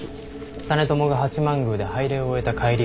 実朝が八幡宮で拝礼を終えた帰りを襲う。